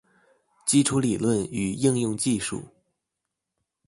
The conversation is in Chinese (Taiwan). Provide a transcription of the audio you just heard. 基礎理論與應用技術